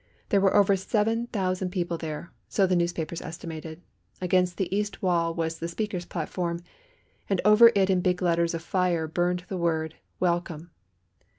There were over seven thousand people there, so the newspapers estimated. Against the east wall was the speaker's platform, and over it in big letters of fire burned the word "Welcome."